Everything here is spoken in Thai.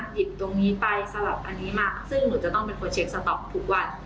หยิบตรงนี้ไปสลับอันนี้มาซึ่งหนูจะต้องเป็นทุกวัน